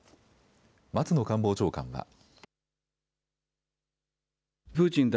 松野官房長官は。